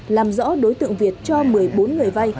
làm rõ đối tượng việt cho một mươi bốn người vay